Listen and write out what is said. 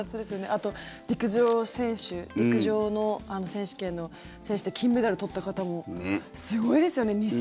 あと、陸上選手陸上の選手権の選手で金メダルを取った方もすごいですよね。